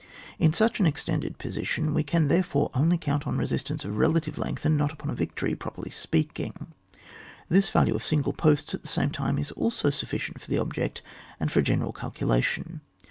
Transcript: In such an extended position, we can there fore only count on a resistance of relative length, and not upon a victory, properly speaking. This value of single posts, at the same time, is also sufficient for the object, and for a general calculation.